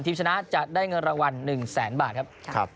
ชนะจะได้เงินรางวัล๑แสนบาทครับ